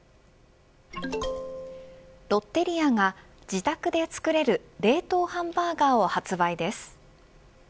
ロッテリアが、自宅で作れる冷凍ハンバーガーを発売です。